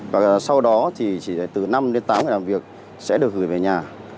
và sau đó thì chỉ từ năm đến tám ngày làm việc sẽ được gửi về nhà